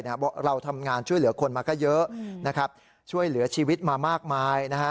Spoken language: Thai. ว่าเราทำงานช่วยเหลือคนมาก็เยอะช่วยเหลือชีวิตมามากมาย